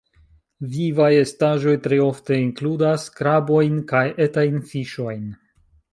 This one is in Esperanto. Vivaj estaĵoj tre ofte inkludas krabojn kaj etajn fiŝojn.